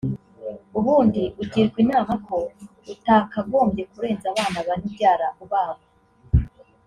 ubundi ugirwa inama ko utakagobye kurenza abana bane ubyara ubagwa